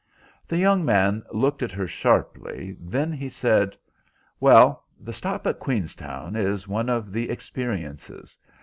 The young man looked at her sharply, then he said— "Well, the stop at Queenstown is one of the experiences.